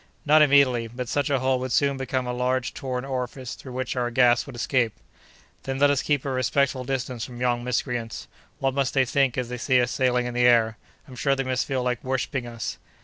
"Not immediately; but such a hole would soon become a large torn orifice through which our gas would escape." "Then, let us keep at a respectful distance from yon miscreants. What must they think as they see us sailing in the air? I'm sure they must feel like worshipping us!"